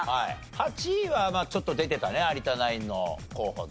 ８位はちょっと出てたね有田ナインの候補で。